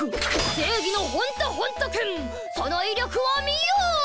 正義のホントホント剣その威力を見よ！